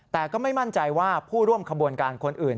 แต่ก็ไม่มั่นใจว่าผู้ร่วมขบวนการคนอื่น